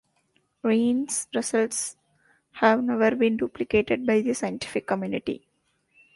Rhine's results have never been duplicated by the scientific community.